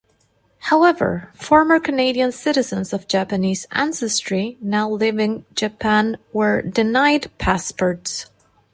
However, former Canadian citizens of Japanese ancestry now living Japan were denied passports.